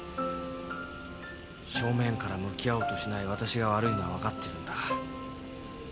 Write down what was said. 正面から向き合おうとしない私が悪いのは分かってるんだ。